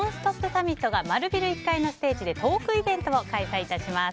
サミットが丸ビル１階のステージでトークイベントを開催します。